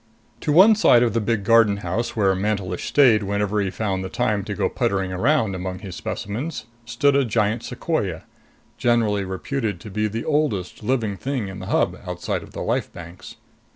To one side of the big garden house, where Mantelish stayed whenever he found the time to go puttering around among his specimens, stood a giant sequoia, generally reputed to be the oldest living thing in the Hub outside of the Life Banks.